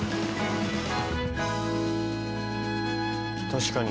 確かに。